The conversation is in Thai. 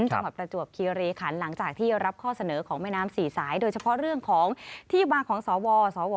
ประจวบคีรีขันหลังจากที่รับข้อเสนอของแม่น้ำสี่สายโดยเฉพาะเรื่องของที่มาของสวสว